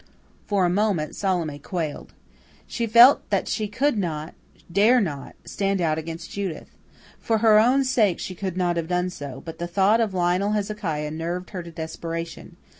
For a moment Salome quailed. She felt that she could not, dare not, stand out against Judith. For her own sake she could not have done so, but the thought of Lionel Hezekiah nerved her to desperation.